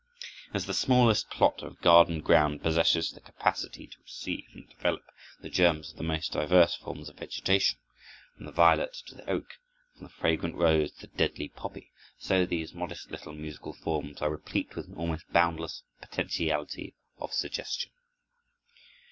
As the smallest plot of garden ground possesses the capacity to receive and develop the germs of the most diverse forms of vegetation, from the violet to the oak, from the fragrant rose to the deadly poppy, so these modest little musical forms are replete with an almost boundless potentiality of suggestion.